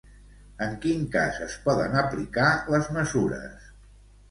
En quin cas es poden aplicar les mesures?